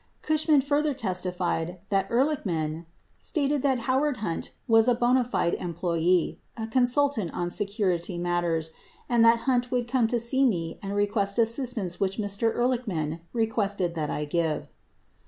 88 Cushman has further testified that Ehrlichman "stated that Howard Hunt was a bona fide employee, a consultant on security matters, and that Hunt would come to see me and request assistance which Mr. Ehrlichman requested that I give."